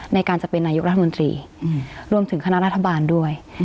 ในการจะเป็นนายกรัฐมนตรีรวมถึงคณะรัฐบาลด้วย